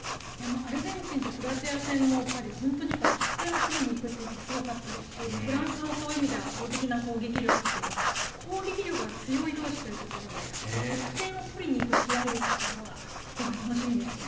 アルゼンチンとクロアチア戦も本当に得点を取りに行くというのがすごかったですしフランスもそういう意味では圧倒的な攻撃力という攻撃力が強い同士ということで得点を取りにいく試合みたいなところが今回、楽しみですね。